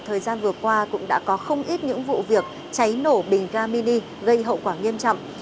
thời gian vừa qua cũng đã có không ít những vụ việc cháy nổ bình ga mini gây hậu quả nghiêm trọng